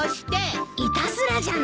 いたずらじゃないよ。